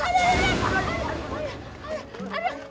aduh aduh aduh